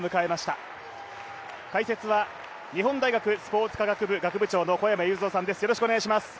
解説は日本大学スポーツ科学部学部長の小山裕三さんです。